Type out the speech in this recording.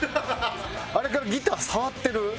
あれからギター触ってる？